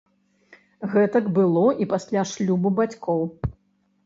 Гэтак было і пасля шлюбу бацькоў.